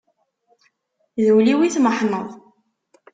D ul-iw i tmeḥneḍ.